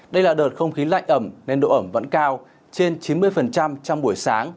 đây là đợt không khí lạnh ẩm nên độ ẩm vẫn cao trên chín mươi trong buổi sáng